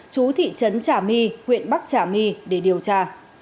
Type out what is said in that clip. chú thị trấn trả my huyện bắc trả my để điều tra